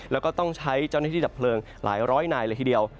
แล้วก็ต้องใช้เจ้าหน้าที่ดับเพลิงหลายร้อยนายเลยทีเดียว